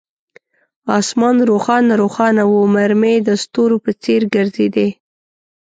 آسمان روښانه روښانه وو، مرمۍ د ستورو په څیر ګرځېدې.